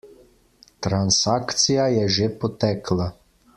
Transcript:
Transakcija je že potekla.